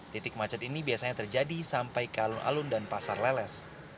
titik macet ini biasanya terjadi sampai ke alun alun dan pasar leles